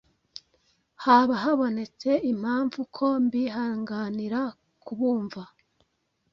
haba habonetse impamvu ko mbihanganira kubumva